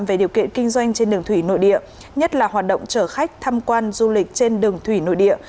về điều kiện kinh doanh trên đường thủy nội địa nhất là hoạt động chở khách tham quan du lịch trên đường thủy nội địa